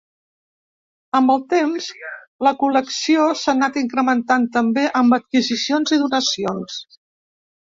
Amb el temps, la col·lecció s'ha anat incrementant també amb adquisicions i donacions.